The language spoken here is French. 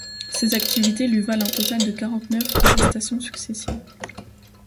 Ses activités lui valent un total de quarante neuf arrestations successives.